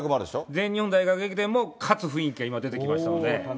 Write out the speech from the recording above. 全日本大学駅伝も勝つ雰囲気が、今、出てきましたので。